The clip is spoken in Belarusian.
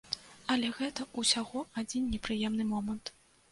Але гэта ўсяго адзін непрыемны момант.